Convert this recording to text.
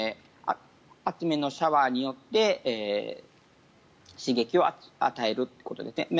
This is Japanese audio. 熱めのシャワーによって刺激を与えることですね。